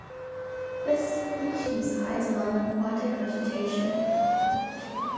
This species hides among aquatic vegetation.